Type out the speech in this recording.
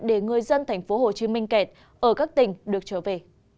để người dân thành phố hồ chí minh kẹt ở các tỉnh được trở về